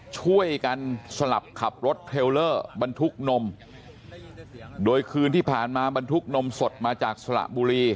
ช่วยกันสลับขับรถเทลเลอร์บรรทุกนมโดยคืนที่ผ่านมาบรรทุกนมสดมาจากสระบุรี